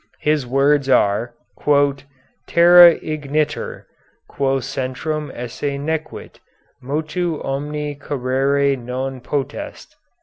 His words are: "Terra igitur, quæ centrum esse nequit, motu omni carere non potest."